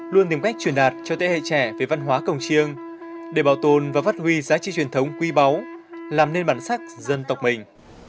luôn tìm cách truyền đạt cho thế hệ trẻ về văn hóa cổng chiêng để bảo tồn và phát huy giá trị truyền thống quý báu làm nên bản sắc dân tộc mình